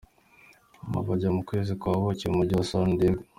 Nyuma bajya mu kwezi kwa buki mu mujyi wa San Diego.